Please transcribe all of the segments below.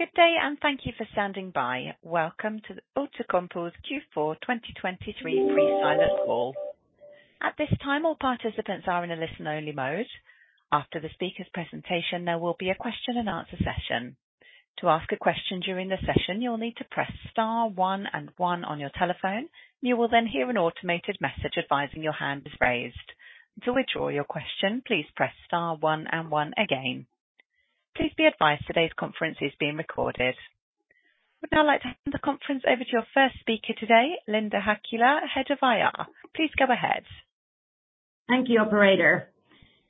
Good day, and thank you for standing by. Welcome to the Outokumpu's Q4 2023 pre-silent call. At this time, all participants are in a listen-only mode. After the speaker's presentation, there will be a Q&A session. To ask a question during the session, you'll need to press star one and one on your telephone. You will then hear an automated message advising your hand is raised. To withdraw your question, please press star one and one again. Please be advised, today's conference is being recorded. I would now like to hand the conference over to our first speaker today, Linda Häkkilä, Head of IR. Please go ahead. Thank you, operator.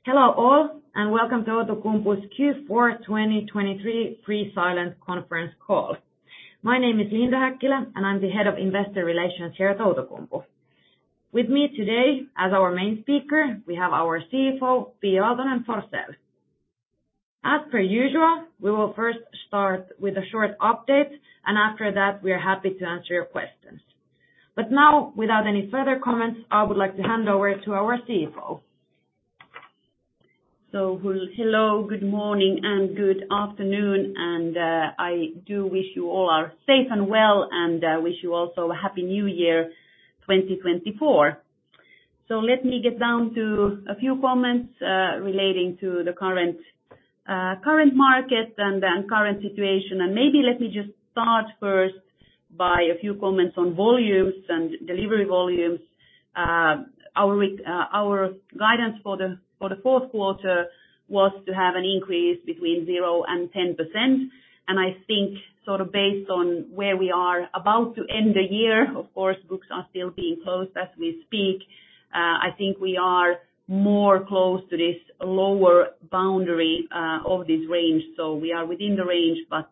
Hello, all, and welcome to Outokumpu's Q4 2023 pre-silence Conference Call. My name is Linda Häkkilä, and I'm the head of Investor Relations here at Outokumpu. With me today, as our main speaker, we have our CFO, Pia Aaltonen-Forsell. As per usual, we will first start with a short update, and after that, we are happy to answer your questions. Now, without any further comments, I would like to hand over to our CFO. So hello, good morning, and good afternoon, and I do wish you all are safe and well, and wish you also a happy new year, 2024. So let me get down to a few comments relating to the current current market and then current situation. And maybe let me just start first by a few comments on volumes and delivery volumes. Our week, our guidance for the for the Q4 was to have an increase between 0% and 10%. And I think sort of based on where we are about to end the year, of course, books are still being closed as we speak. I think we are more close to this lower boundary of this range, so we are within the range, but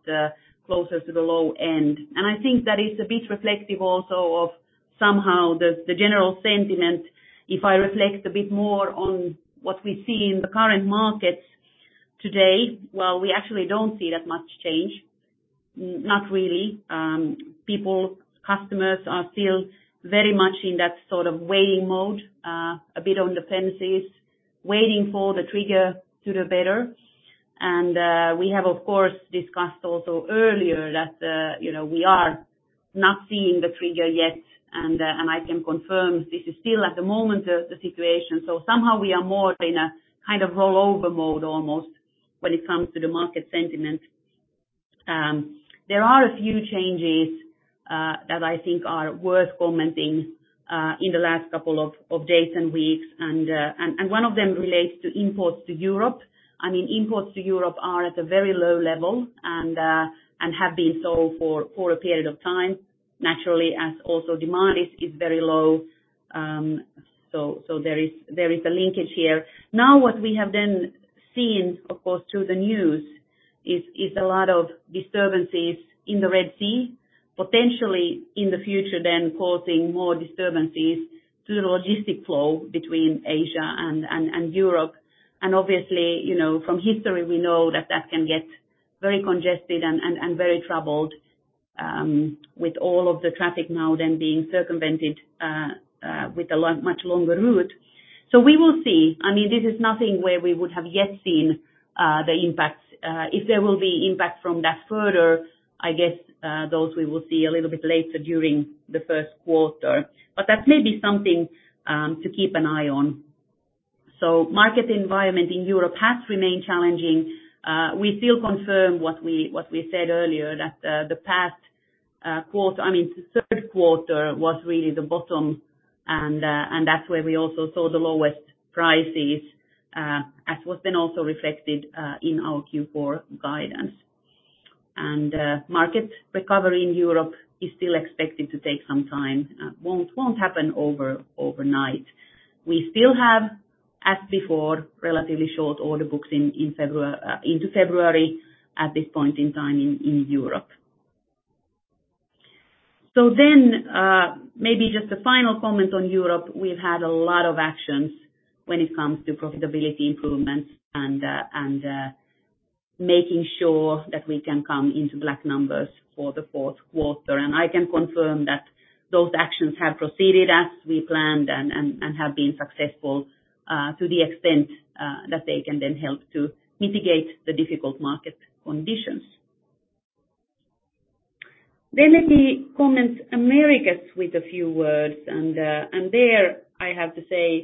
closer to the low end. And I think that is a bit reflective also of somehow the general sentiment. If I reflect a bit more on what we see in the current market today, well, we actually don't see that much change, not really. People, customers are still very much in that sort of waiting mode, a bit on the fences, waiting for the trigger to do better. And we have, of course, discussed also earlier that, you know, we are not seeing the trigger yet, and and I can confirm this is still at the moment the situation. So somehow we are more in a kind of rollover mode, almost, when it comes to the market sentiment. There are a few changes that I think are worth commenting in the last couple of days and weeks, and one of them relates to imports to Europe. I mean, imports to Europe are at a very low level and have been so for a period of time, naturally, as also demand is very low. So there is a linkage here. Now, what we have then seen, of course, through the news is a lot of disturbances in the Red Sea, potentially in the future, then causing more disturbances to the logistic flow between Asia and Europe. Obviously, you know, from history, we know that that can get very congested and very troubled, with all of the traffic now then being circumvented, with a long, much longer route. So we will see. I mean, this is nothing where we would have yet seen, the impact. If there will be impact from that further, I guess, those we will see a little bit later during the Q1, but that may be something, to keep an eye on. So market environment in Europe has remained challenging. We still confirm what we, what we said earlier, that, the past quarter, I mean, Q3 was really the bottom, and that's where we also saw the lowest prices, as was then also reflected, in our Q4 guidance. Market recovery in Europe is still expected to take some time, won't happen overnight. We still have, as before, relatively short order books in February, into February at this point in time in Europe. So then, maybe just a final comment on Europe. We've had a lot of actions when it comes to profitability improvements and, and, making sure that we can come into black numbers for the Q4. I can confirm that those actions have proceeded as we planned and, and, and have been successful, to the extent that they can then help to mitigate the difficult market conditions. Then let me comment Americas with a few words, and there, I have to say,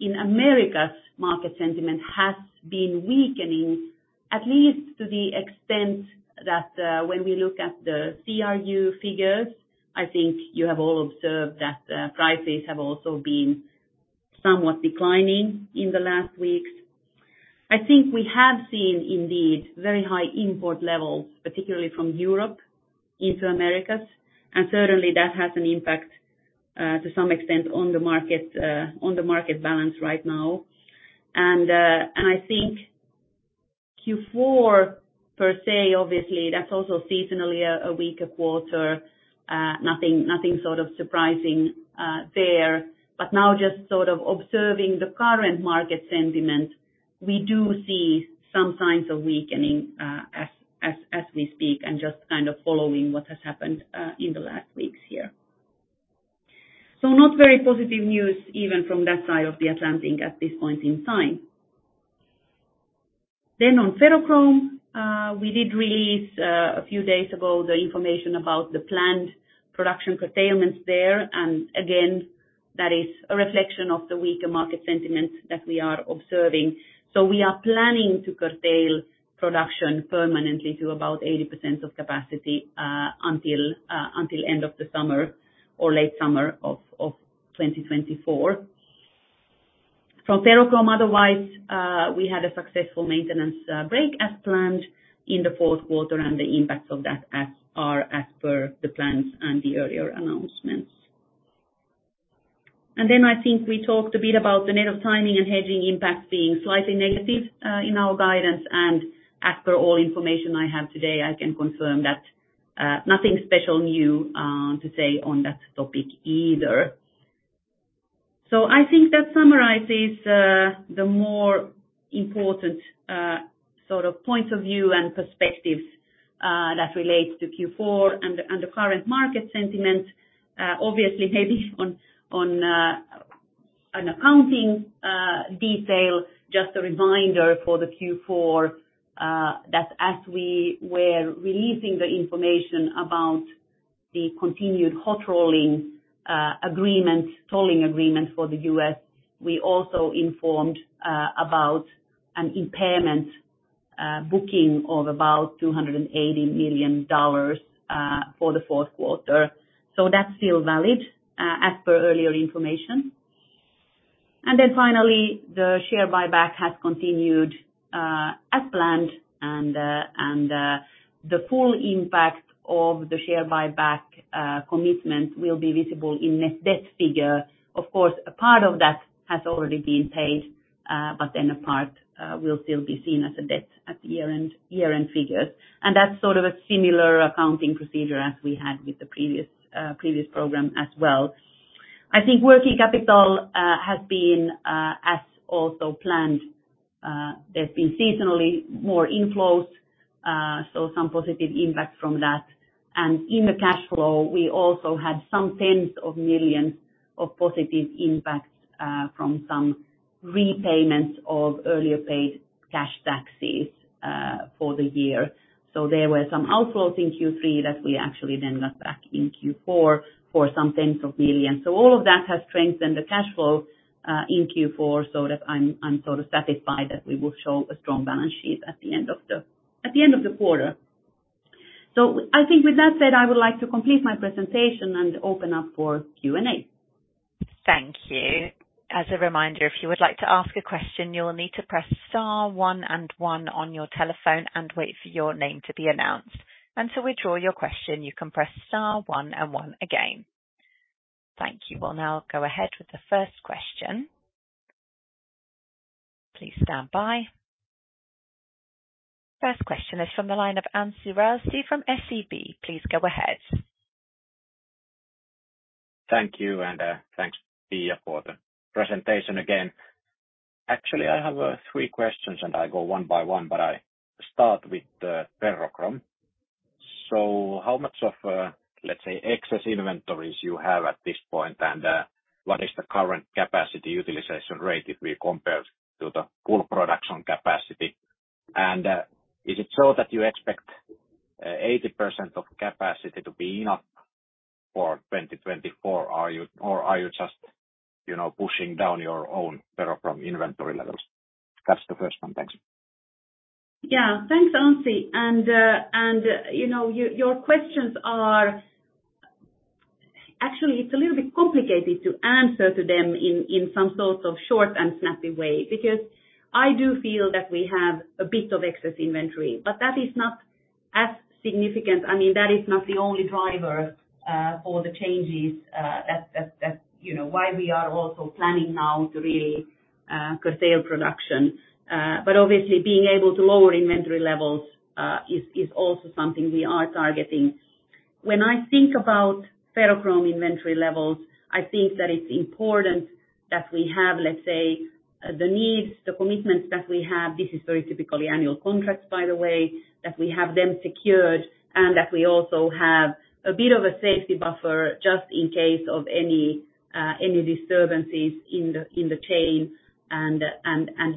in America, market sentiment has been weakening, at least to the extent that, when we look at the CRU figures, I think you have all observed that, prices have also been somewhat declining in the last weeks. I think we have seen indeed very high import levels, particularly from Europe into Americas, and certainly that has an impact, to some extent on the market, on the market balance right now. And I think Q4, per se, obviously, that's also seasonally a weaker quarter. Nothing sort of surprising there. Now just sort of observing the current market sentiment, we do see some signs of weakening as we speak, and just kind of following what has happened in the last weeks here. So not very positive news, even from that side of the Atlantic at this point in time. Then on Ferrochrome, we did release a few days ago, the information about the planned production curtailments there. And again, that is a reflection of the weaker market sentiment that we are observing. So we are planning to curtail production permanently to about 80% of capacity until end of the summer or late summer of 2024. From Ferrochrome, otherwise, we had a successful maintenance break as planned in the Q4, and the impacts of that are as per the plans and the earlier announcements. And then I think we talked a bit about the net of timing and hedging impact being slightly negative in our guidance. As per all information I have today, I can confirm that nothing special new to say on that topic either. So I think that summarizes the more important sort of points of view and perspectives that relates to Q4 and the current market sentiment. Obviously, maybe on an accounting detail, just a reminder for the Q4 that as we were releasing the information about the continued hot rolling agreement, tolling agreement for the U.S., we also informed about an impairment booking of about $280 million for the Q4. So that's still valid as per earlier information. And then finally, the share buyback has continued as planned, and the full impact of the share buyback commitment will be visible in net debt figure. Of course, a part of that has already been paid, but then a part will still be seen as a debt at the year-end, year-end figures. And that's sort of a similar accounting procedure as we had with the previous previous program as well. I think working capital has been as also planned. There's been seasonally more inflows, so some positive impact from that. And in the cash flow, we also had some tens of millions of positive impacts from some repayments of earlier paid cash taxes for the year. So there were some outflows in Q3 that we actually then got back in Q4 for some tens of millions. So all of that has strengthened the cash flow in Q4, so that I'm sort of satisfied that we will show a strong balance sheet at the end of the quarter. So I think with that said, I would like to complete my presentation and open up for Q&A. Thank you. As a reminder, if you would like to ask a question, you will need to press star one and one on your telephone and wait for your name to be announced. And to withdraw your question, you can press star one and one again. Thank you. We'll now go ahead with the first question. Please stand by. First question is from the line of Anssi Raussi from SEB. Please go ahead. Thank you, and thanks, Pia, for the presentation again. Actually, I have three questions, and I go one by one, but I start with the Ferrochrome. So how much of, let's say, excess inventories you have at this point? And what is the current capacity utilization rate if we compare to the full production capacity? And is it so that you expect 80% of capacity to be enough for 2024? Are you or are you just, you know, pushing down your own Ferrochrome inventory levels? That's the first one. Thanks. Yeah. Thanks, Anssi. And you know, your questions are actually, it's a little bit complicated to answer to them in some sort of short and snappy way, because I do feel that we have a bit of excess inventory, but that is not as significant. I mean, that is not the only driver for the changes that you know why we are also planning now to really curtail production. But obviously, being able to lower inventory levels is also something we are targeting. When I think about Ferrochrome inventory levels, I think that it's important that we have, let's say, the needs, the commitments that we have. This is very typically annual contracts, by the way, that we have them secured, and that we also have a bit of a safety buffer just in case of any disturbances in the chain.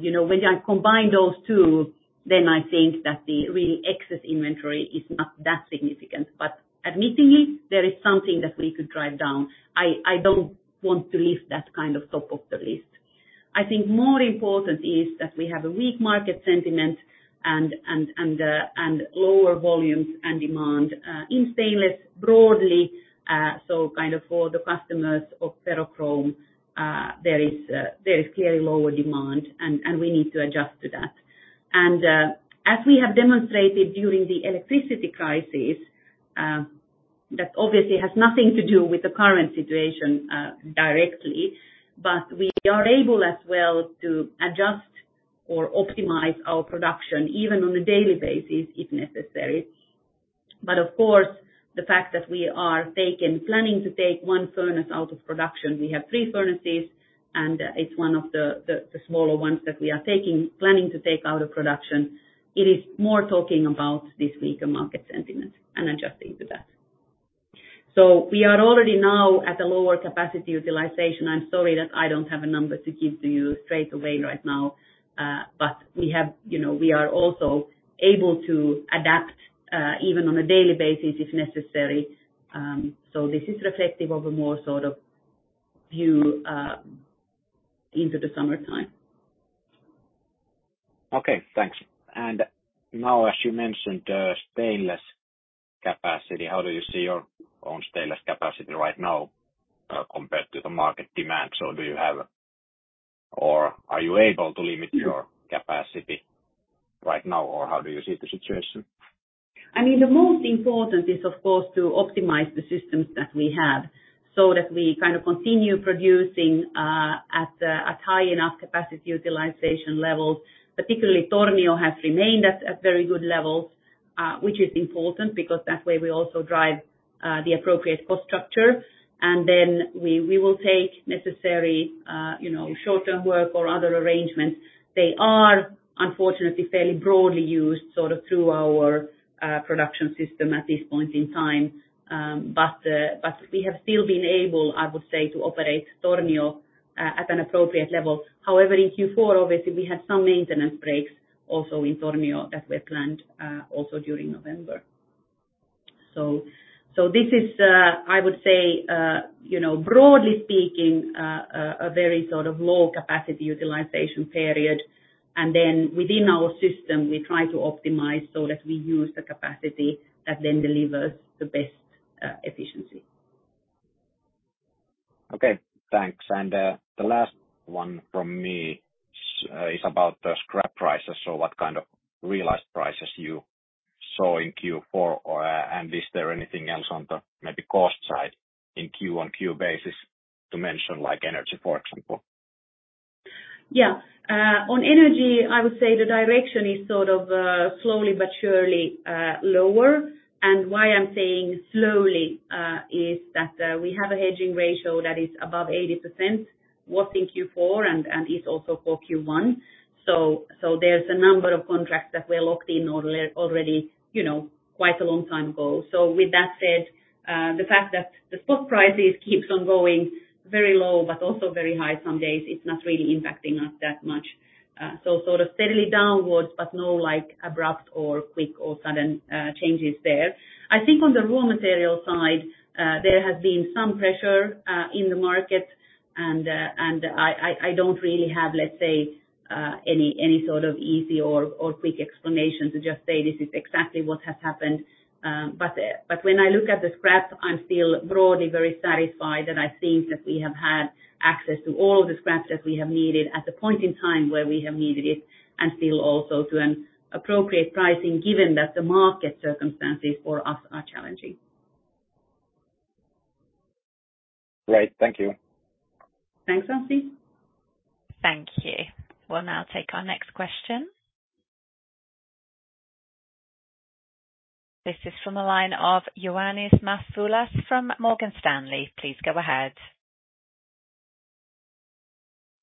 You know, when I combine those two, then I think that the really excess inventory is not that significant. But admittedly, there is something that we could drive down. I don't want to leave that kind of top of the list. I think more important is that we have a weak market sentiment and lower volumes and demand in stainless broadly. For the customers of Ferrochrome, there is clearly lower demand, and we need to adjust to that. As we have demonstrated during the electricity crisis, that obviously has nothing to do with the current situation, directly, but we are able as well to adjust or optimize our production, even on a daily basis, if necessary. But of course, the fact that we are taking, planning to take one furnace out of production, we have three furnaces, and it's one of the smaller ones that we are taking, planning to take out of production. It is more talking about this weaker market sentiment and adjusting to that. So we are already now at a lower capacity utilization. I'm sorry that I don't have a number to give to you straight away right now. But we have, you know, we are also able to adapt, even on a daily basis, if necessary. This is reflective of a more sort of view into the summertime. Okay, thanks. And now, as you mentioned, stainless capacity, how do you see your own stainless capacity right now, compared to the market demand? So do you have or are you able to limit your capacity right now, or how do you see the situation? I mean, the most important is, of course, to optimize the systems that we have so that we kind of continue producing at high enough capacity utilization levels. Particularly, Tornio has remained at very good levels, which is important because that way we also drive the appropriate cost structure, and then we will take necessary, you know, short-term work or other arrangements. They are, unfortunately, fairly broadly used, sort of through our production system at this point in time. But we have still been able, I would say, to operate Tornio at an appropriate level. However, in Q4, obviously, we had some maintenance breaks also in Tornio that were planned also during November. So this is, I would say, you know, broadly speaking, a very sort of low capacity utilization period. Within our system, we try to optimize so that we use the capacity that then delivers the best efficiency. Okay, thanks. And the last one from me is about the scrap prices. So what kind of realized prices you saw in Q4 or... And is there anything else on the maybe cost side in Q-on-Q basis to mention, like energy, for example? Yeah. On energy, I would say the direction is sort of slowly but surely lower. And why I'm saying slowly is that we have a hedging ratio that is above 80%, was in Q4 and is also for Q1. So there's a number of contracts that were locked in already, you know, quite a long time ago. So with that said, the fact that the spot prices keeps on going very low but also very high some days, it's not really impacting us that much. So sort of steadily downwards, but no like abrupt or quick or sudden changes there. I think on the raw material side, there has been some pressure in the market, and I don't really have, let's say, any sort of easy or quick explanation to just say this is exactly what has happened. But when I look at the scrap, I'm still broadly very satisfied, and I think that we have had access to all the scraps that we have needed at the point in time where we have needed it, and still also to an appropriate pricing, given that the market circumstances for us are challenging. Great. Thank you. Thanks, Anssi. Thank you. We'll now take our next question. This is from the line of Ioannis Masvoulas from Morgan Stanley. Please go ahead.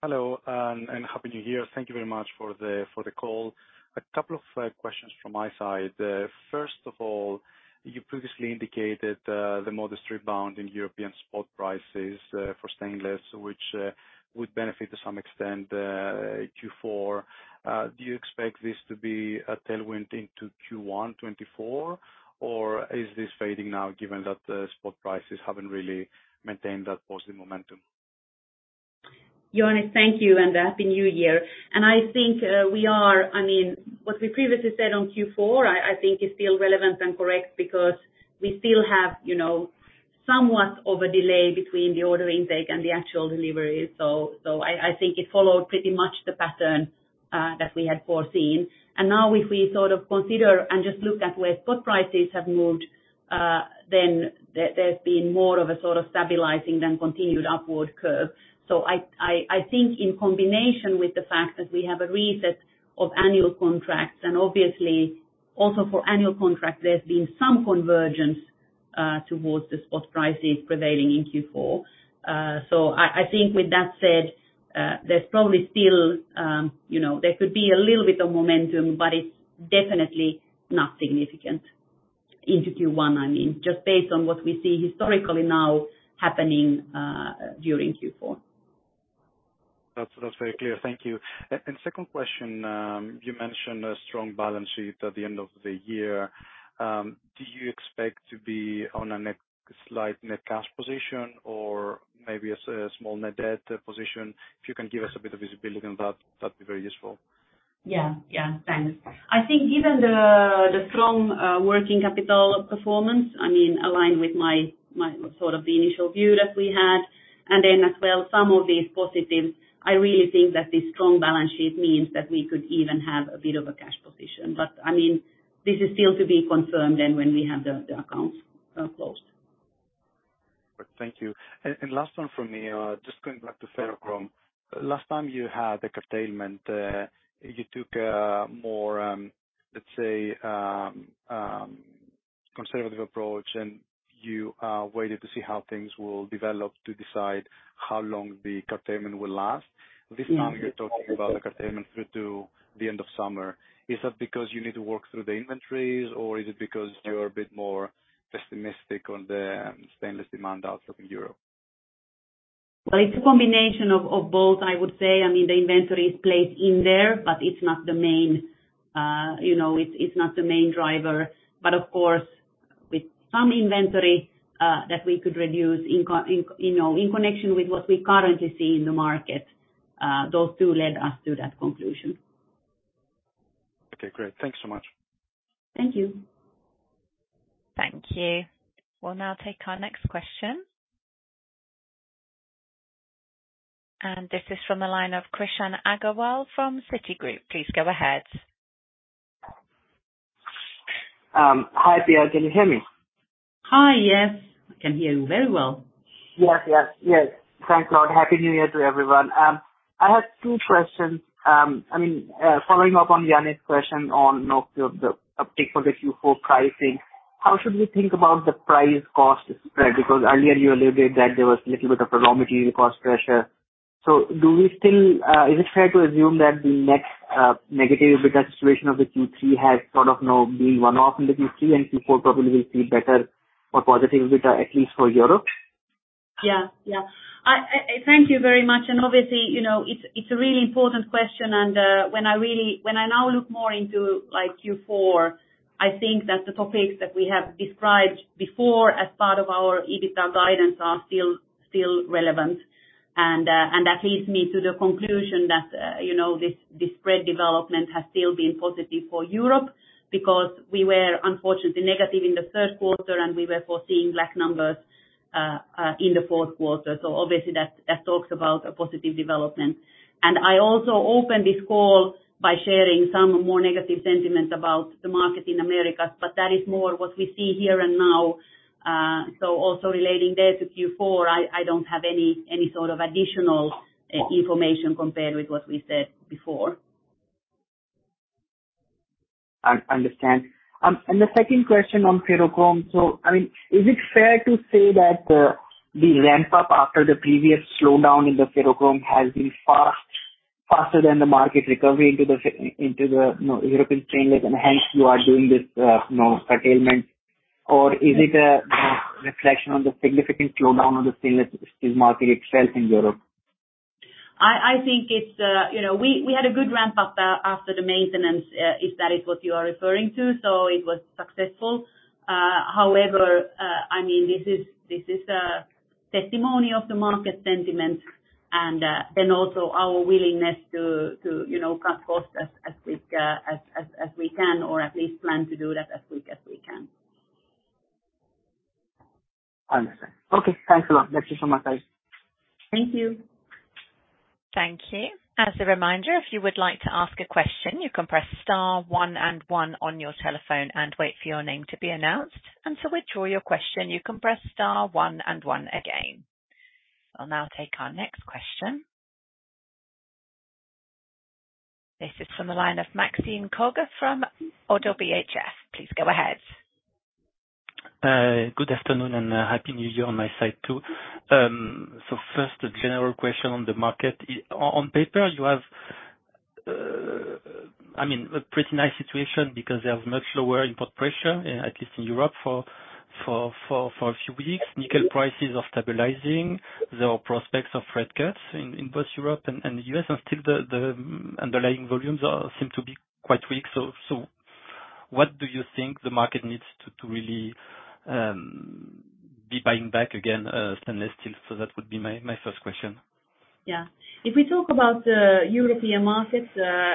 Hello, and Happy New Year. Thank you very much for the, for the call. A couple of questions from my side. First of all, you previously indicated the modest rebound in European spot prices for stainless, which would benefit to some extent Q4. Do you expect this to be a tailwind into Q1 2024, or is this fading now, given that the spot prices haven't really maintained that positive momentum? Ioannis, thank you, and Happy New Year. I think, I mean, what we previously said on Q4, I think is still relevant and correct because we still have, you know, somewhat of a delay between the order intake and the actual deliveries. So, I think it followed pretty much the pattern that we had foreseen. And now, if we sort of consider and just look at where spot prices have moved, then there's been more of a sort of stabilizing than continued upward curve. So I think in combination with the fact that we have a reset of annual contracts, and obviously, also for annual contract, there's been some convergence towards the spot prices prevailing in Q4. So, I think with that said, there's probably still, you know, there could be a little bit of momentum, but it's definitely not significant into Q1. I mean, just based on what we see historically now happening during Q4. That's, that's very clear. Thank you. And second question, you mentioned a strong balance sheet at the end of the year. Do you expect to be on a slight net cash position or maybe a small net debt position? If you can give us a bit of visibility on that, that'd be very useful. Yeah, yeah. Thanks. I think given the strong working capital performance, I mean, aligned with my sort of the initial view that we had, and then as well, some of these positives, I really think that this strong balance sheet means that we could even have a bit of a cash position. But, I mean, this is still to be confirmed then when we have the accounts closed. Thank you. And last one from me, just going back to Ferrochrome. Last time you had a curtailment, you took more, let's say, conservative approach, and you waited to see how things will develop to decide how long the curtailment will last. Mm-hmm. This time you're talking about the curtailment through to the end of summer. Is that because you need to work through the inventories, or is it because you're a bit more pessimistic on the stainless demand outlook in Europe? Well, it's a combination of both, I would say. I mean, the inventory is placed in there, but it's not the main, you know, it's not the main driver. But of course, with some inventory that we could reduce in connection with what we currently see in the market, those two led us to that conclusion. Okay, great. Thanks so much. Thank you. Thank you. We'll now take our next question. This is from the line of Krishan Agarwal from Citigroup. Please go ahead. Hi, Pia. Can you hear me? Hi, yes. I can hear you very well. Yes, yes, yes. Thanks a lot. Happy New Year to everyone. I have two questions. I mean, following up on Ioannis' question on sort of the uptick for the Q4 pricing, how should we think about the price cost spread? Because earlier you alluded that there was a little bit of raw material cost pressure. So do we still is it fair to assume that the next, uh, negative EBITDA situation of the Q3 has sort of now been one-off in the Q3, and Q4 probably will see better or positive EBITDA, at least for Europe? Yeah, yeah. I thank you very much. And obviously, you know, it's a really important question, and when I now look more into, like, Q4, I think that the topics that we have described before as part of our EBITDA guidance are still relevant. And that leads me to the conclusion that, you know, this spread development has still been positive for Europe. Because we were unfortunately negative in the Q3, and we were foreseeing black numbers in the Q4. So obviously, that talks about a positive development. And I also opened this call by sharing some more negative sentiment about the market in Americas, but that is more what we see here and now. So also relating that to Q4, I don't have any sort of additional information compared with what we said before. I understand. The second question on Ferrochrome. So, I mean, is it fair to say that the ramp up after the previous slowdown in the Ferrochrome has been fast, faster than the market recovery into the, you know, European stainless, and hence you are doing this, you know, curtailment? Or is it a reflection on the significant slowdown on the stainless steel market itself in Europe? I think it's, you know, we had a good ramp up after the maintenance, if that is what you are referring to, so it was successful. However, I mean, this is a testimony of the market sentiment and then also our willingness to, you know, cut costs as quick as we can, or at least plan to do that as quick as we can. I understand. Okay, thanks a lot. Thank you so much, guys. Thank you. Thank you. As a reminder, if you would like to ask a question, you can press star one and one on your telephone and wait for your name to be announced. And to withdraw your question, you can press star one and one again. I'll now take our next question. This is from the line of Maxime Kogge from Oddo BHF. Please go ahead. Good afternoon, and a Happy New Year on my side, too. So first, a general question on the market. On paper, you have, I mean, a pretty nice situation because you have much lower input pressure, at least in Europe for a few weeks. Nickel prices are stabilizing. There are prospects of rate cuts in both Europe and the U.S., and still the underlying volumes seem to be quite weak. So what do you think the market needs to really be buying back again, stainless steel? So that would be my first question. Yeah. If we talk about the European markets,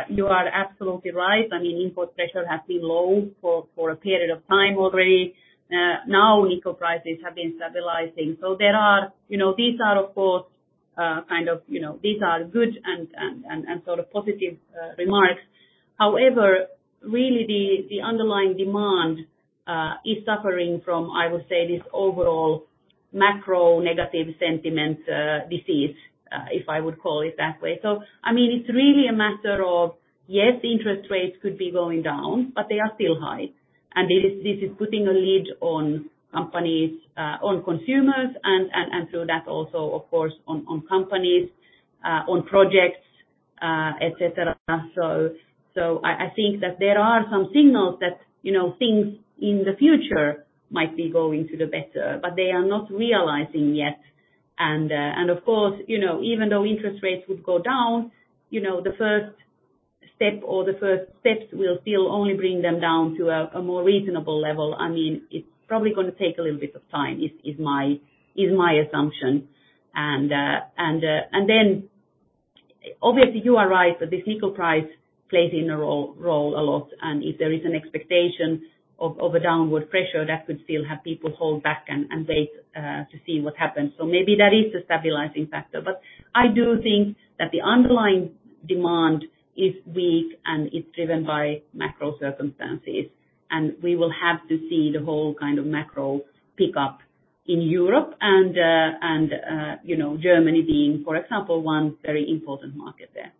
you are absolutely right. I mean, import pressure has been low for a period of time already. Now, nickel prices have been stabilizing. So there are you know, these are of course kind of, you know, these are good and sort of positive remarks. However, really the underlying demand is suffering from, I would say, this overall macro negative sentiment, disease, if I would call it that way. So, I mean, it's really a matter of, yes, interest rates could be going down, but they are still high. And this is putting a lid on companies, on consumers, and through that also, of course, on companies, on projects, et cetera. So, I think that there are some signals that, you know, things in the future might be going to the better, but they are not realizing yet. Of course, you know, even though interest rates would go down, you know, the first step or the first steps will still only bring them down to a more reasonable level. I mean, it's probably gonna take a little bit of time, is my assumption. Then obviously, you are right, that this nickel price plays a role a lot. And if there is an expectation of a downward pressure, that could still have people hold back and wait to see what happens. So maybe that is a stabilizing factor. But I do think that the underlying demand is weak, and it's driven by macro circumstances. And we will have to see the whole kind of macro pickup in Europe and, you know, Germany being, for example, one very important market there.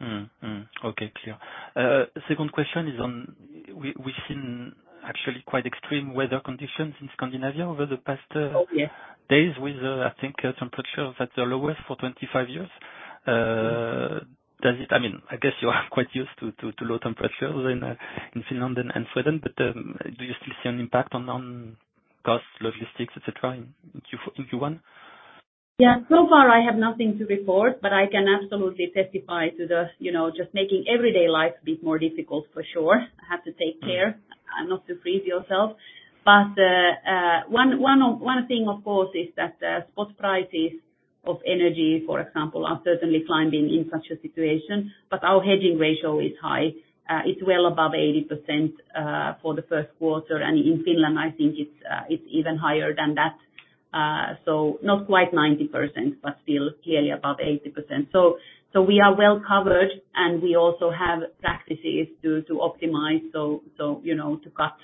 Mm-hmm. Mm-hmm. Okay, clear. Second question is on, we've seen actually quite extreme weather conditions in Scandinavia over the past. Oh, yes. Days with, I think, temperatures at the lowest for 25 years. Does it, I mean, I guess you are quite used to low temperatures in Finland and Sweden, but do you still see an impact on cost, logistics, et cetera, in Q4, in Q1? Yeah, so far I have nothing to report, but I can absolutely testify to the, you know, just making everyday life a bit more difficult for sure. I have to take care not to freeze yourself. But one thing, of course, is that spot prices of energy, for example, are certainly climbing in such a situation, but our hedging ratio is high. It's well above 80%, for the Q1, and in Finland, I think it's even higher than that. So not quite 90%, but still clearly above 80%. So we are well covered, and we also have practices to optimize, so you know, to cut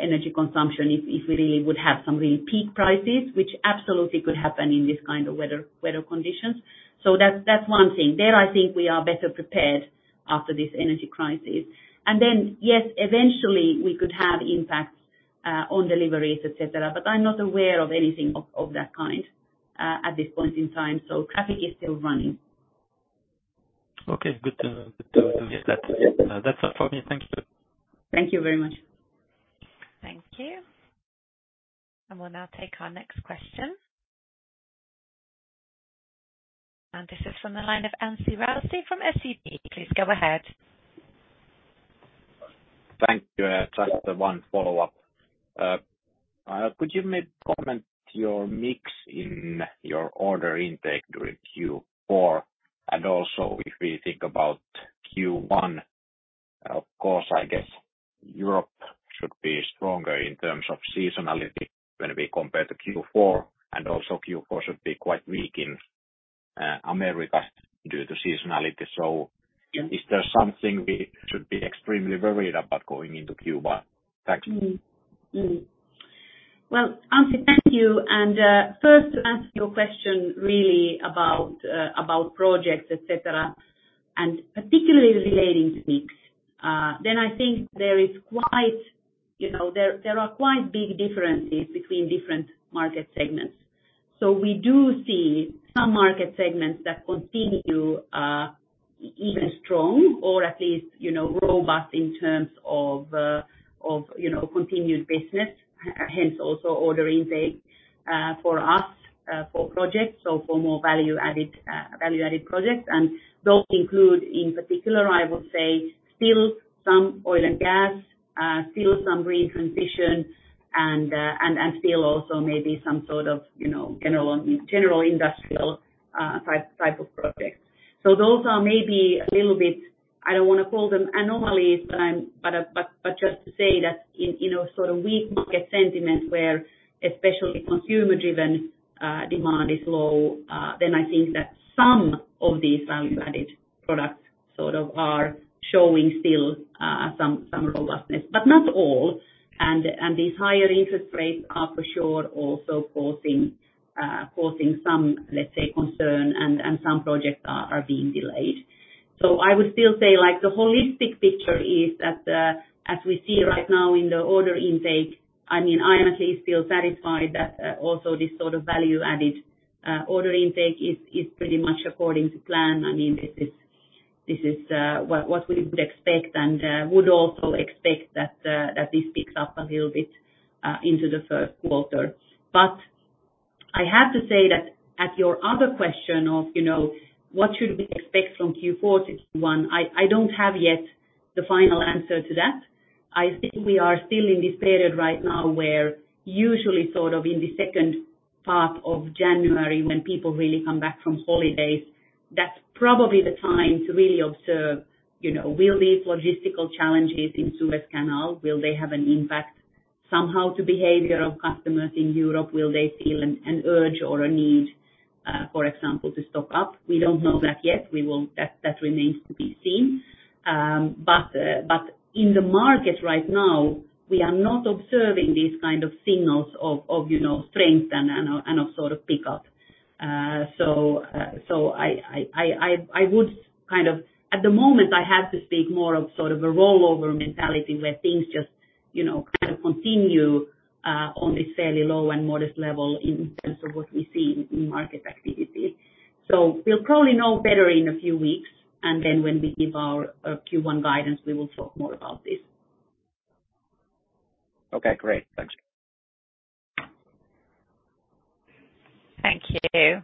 energy consumption if we really would have some really peak prices, which absolutely could happen in this kind of weather conditions. So that's, that's one thing. There, I think we are better prepared after this energy crisis. And then, yes, eventually we could have impacts on deliveries, et cetera, but I'm not aware of anything of, of that kind at this point in time, so traffic is still running. Okay, good to, good to hear that. That's all for me. Thank you. Thank you very much. Thank you. We'll now take our next question. This is from the line of Anssi Raussi from SEB. Please go ahead. Thank you. Just one follow-up. Could you maybe comment your mix in your order intake during Q4? And also, if we think about Q1, of course, I guess Europe should be stronger in terms of seasonality when we compare to Q4, and also Q4 should be quite weak in America due to seasonality. So, Yeah. Is there something we should be extremely worried about going into Q1? Thank you. Mm-hmm. Well, Anssi, thank you. And, first, to answer your question really about, about projects, et cetera, and particularly relating to mix, then I think there is quite, you know, there, there are quite big differences between different market segments. So we do see some market segments that continue, even strong, or at least, you know, robust in terms of, of, you know, continued business, hence, also order intake, for us, for projects or for more value-added, value-added projects. And those include, in particular, I would say, still some oil and gas, still some green transition and, and, and still also maybe some sort of, you know, general, general industrial, type, type of projects. So those are maybe a little bit, I don't want to call them anomalies, but I'm But just to say that in, you know, sort of weak market sentiment where especially consumer-driven demand is low, then I think that some of these value-added products sort of are showing still some robustness, but not all. And these higher interest rates are for sure also causing some, let's say, concern and some projects are being delayed. So I would still say, like, the holistic picture is that, as we see right now in the order intake, I mean, I at least feel satisfied that also this sort of value-added order intake is pretty much according to plan. I mean, this is what we would expect and would also expect that this picks up a little bit into the Q1. But I have to say that at your other question of, you know, what should we expect from Q4 to Q1? I don't have yet the final answer to that. I think we are still in this period right now where usually sort of in the second half of January when people really come back from holidays, that's probably the time to really observe, you know, will these logistical challenges in Suez Canal, will they have an impact somehow to behavior of customers in Europe? Will they feel an urge or a need, for example, to stock up? We don't know that yet. That remains to be seen. But, but in the market right now, we are not observing these kind of signals of, you know, strength and a sort of pickup. So I would kind of, at the moment, have to speak more of sort of a rollover mentality, where things just, you know, kind of continue on this fairly low and modest level in terms of what we see in market activity. We'll probably know better in a few weeks, and then when we give our Q1 guidance, we will talk more about this. Okay, great. Thank you. Thank you.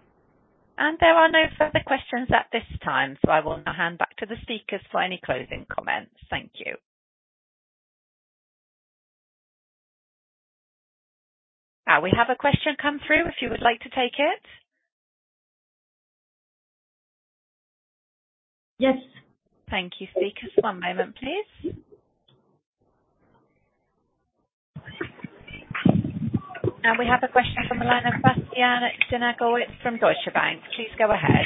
And there are no further questions at this time, so I will now hand back to the speakers for any closing comments. Thank you. We have a question come through, if you would like to take it. Yes. Thank you, speakers. One moment, please. We have a question from the line of Bastian Synagowitz from Deutsche Bank. Please go ahead.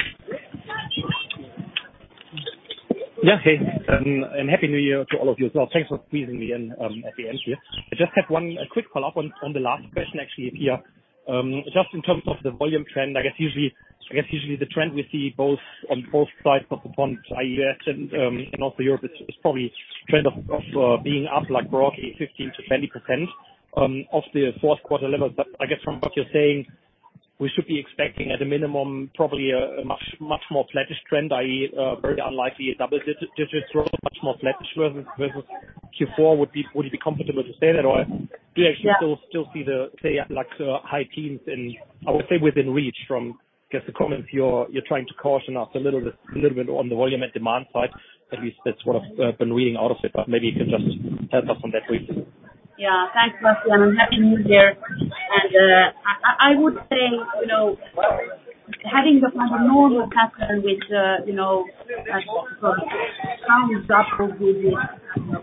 Yeah, hey, and Happy New Year to all of you as well. Thanks for squeezing me in, at the end here. I just had one, a quick follow-up on, on the last question, actually, Pia. Just in terms of the volume trend, I guess usually, I guess usually the trend we see both, on both sides of the pond, i.e., U.S. and, and also Europe, is, is probably trend of, of, being up like roughly 15% to 20%, off the Q4 level. But I guess from what you're saying, we should be expecting, at a minimum, probably a, a much, much more flattish trend, i.e., very unlikely a double-digit growth, much more flattish versus, versus Q4. Would be, would you be comfortable to say that, or do you actually still see the, say, like, high teens in, I would say, within reach from, I guess, the comments you're trying to caution us a little bit on the volume and demand side? At least that's what I've been reading out of it, but maybe you can just help us on that please. Yeah. Thanks, Bastian, and Happy New Year. I would say, you know, having the kind of normal pattern with, you know, some drop with the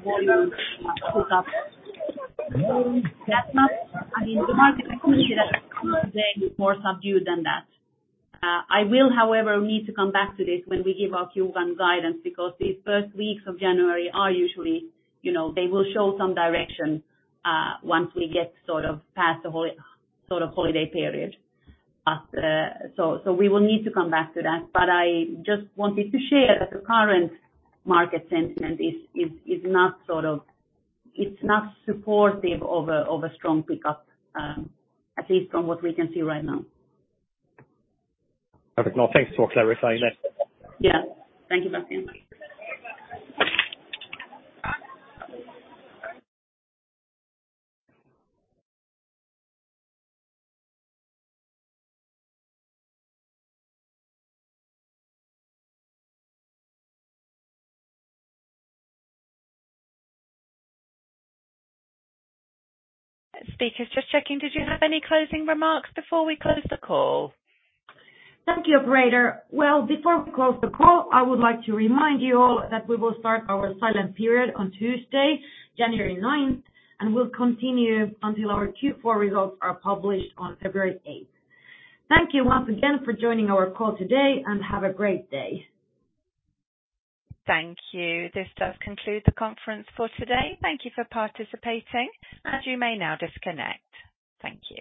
volume pick up, that's not, I mean, the market currently more subdued than that. I will, however, need to come back to this when we give our Q1 guidance, because these first weeks of January are usually, you know, they will show some direction, once we get sort of past the sort of holiday period. So we will need to come back to that. I just wanted to share that the current market sentiment is not sort of, it's not supportive of a strong pickup, at least from what we can see right now. Perfect. No, thanks for clarifying that. Yeah. Thank you, Bastian. Speakers, just checking, did you have any closing remarks before we close the call? Thank you, operator. Well, before we close the call, I would like to remind you all that we will start our silent period on Tuesday, January ninth, and we'll continue until our Q4 results are published on February 8th. Thank you once again for joining our call today, and have a great day. Thank you. This does conclude the conference for today. Thank you for participating, and you may now disconnect. Thank you.